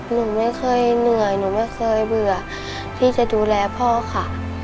หนูไม่เคยเหนื่อยหนูไม่เคยเบื่อพี่จะดูแลพ่อค่ะ